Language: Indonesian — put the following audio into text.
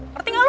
ngerti nggak lu